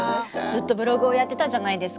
ずっとブログをやってたじゃないですか。